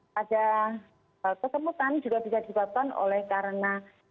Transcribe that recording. pada kesemutan juga bisa dibabkan oleh karena